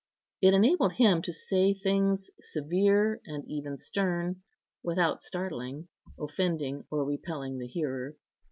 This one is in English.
It enabled him to say things severe and even stern, without startling, offending, or repelling the hearer.